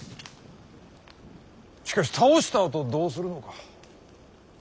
しかし倒したあとどうするのか。